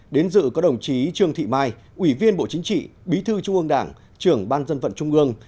đến dự có đồng chí trương thị mai ủy viên bộ chính trị bí thư trung ương đảng trưởng ban dân vận trung ương